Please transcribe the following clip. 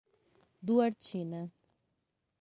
Duartina